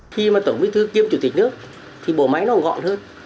khi mà tổng bí thư kiêm chủ tịch nước thì bộ máy nó gọn hơn